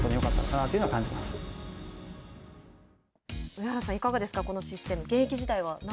上原さん、いかがですかこのシステム。